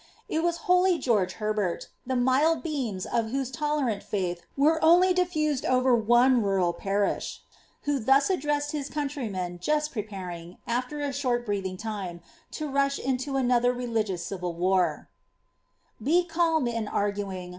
Ii was holy Georglf Herbert, the mild beams of whose tolerant faith were only difluseJ o»e^ ' one rural parish, who thus addressed liis eouniryroen, jusi preparing; ' after a short breathing; time, to rush into another religious civil war >■' Uing.